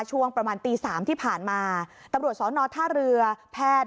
ช่วงประมาณตีสามที่ผ่านมาตำรวจสอนอท่าเรือแพทย์